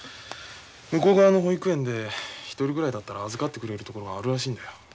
武庫川の保育園で１人ぐらいだったら預かってくれる所があるらしいんだよ。